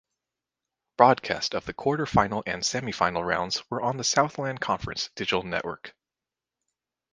Broadcast of the quarterfinal and semifinal rounds were on the Southland Conference Digital Network.